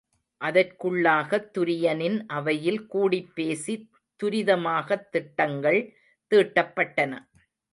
அதற்குள்ளாகத் துரியனின் அவையில் கூடிப்பேசி துரிதமாகத் திட்டங்கள் தீட்டப்பட்டன.